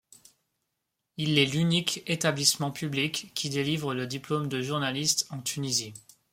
Il est l'unique établissement public qui délivre le diplôme de journaliste en Tunisie.